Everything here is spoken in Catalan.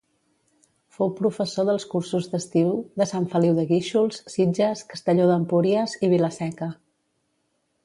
Fou professor dels cursos d'estiu de Sant Feliu de Guíxols, Sitges, Castelló d'Empúries i Vila-Seca.